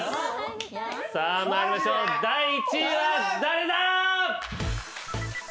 さあ参りましょう第１位は誰だ！？